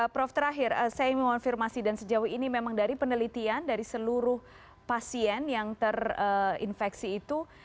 prof terakhir saya ingin mengonfirmasi dan sejauh ini memang dari penelitian dari seluruh pasien yang terinfeksi itu